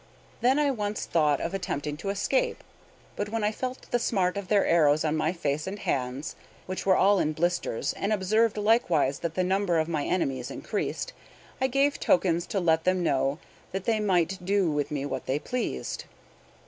Then I once more thought of attempting to escape; but when I felt the smart of their arrows on my face and hands, which were all in blisters and observed likewise that the number of my enemies increased, I gave tokens to let them know that they might do with me what they pleased.